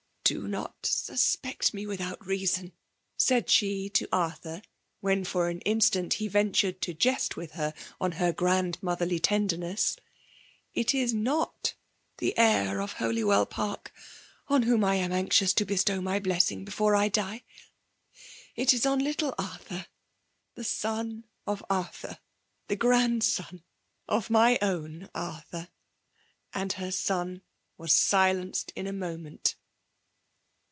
'^Do not soapeet ne Ifitfaout season,'* said she to Arthnt, wben» iiir an instant, be ventured to jest with bar mk her gfandmotberly tenderness :^ it is no^ the heir of ^Holywell Park, on whom I am anxioas to bestow my Uessing befove I die* If is on little Arthmr*— the son of Arthur — the grandson of my own Arthnr.^ And her son was silenced in a moment.